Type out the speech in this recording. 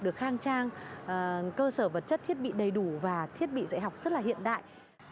được khang trang cơ sở vật chất thiết bị đầy đủ và thiết bị dạy học rất là hiện đại